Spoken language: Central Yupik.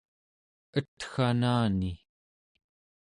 etganani